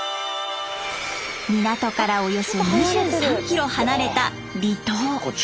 港からおよそ２３キロ離れた離島。